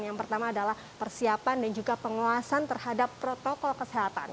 yang pertama adalah persiapan dan juga penguasan terhadap protokol kesehatan